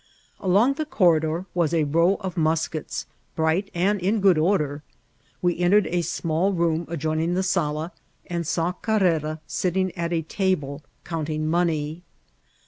Along the corridor was a row of nuukets, bright and in good or der. We entered a small room adjoining the sala, and saw Carrera sitting at a table eoonting money.